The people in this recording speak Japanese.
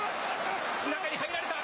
中に入られた。